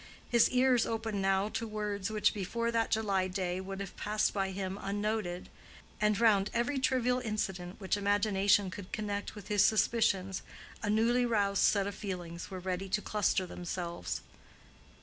His ears open now to words which before that July day would have passed by him unnoted; and round every trivial incident which imagination could connect with his suspicions, a newly roused set of feelings were ready to cluster themselves.